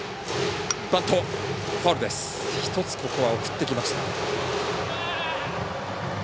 １つここは送ってきました。